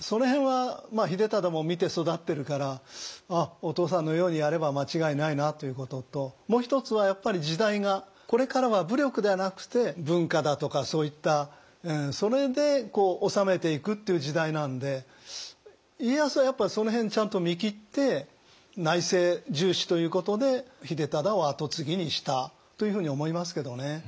その辺は秀忠も見て育ってるからお父さんのようにやれば間違いないなということともう一つはやっぱり時代がこれからは武力ではなくて文化だとかそういったそれで治めていくっていう時代なんで家康はやっぱりその辺ちゃんと見切って内政重視ということで秀忠を跡継ぎにしたというふうに思いますけどね。